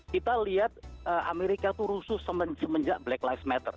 kita lihat amerika itu rusuh semenjak black live matter